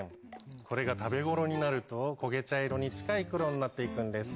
これが食べごろになると焦げ茶色に近い黒になって行くんです。